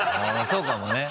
そうかもね。